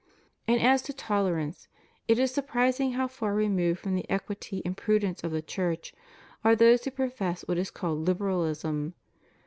And as to tolerance, it is surprising how far removed from the equity and prudence of the Church are those who profess what is called Liberalism.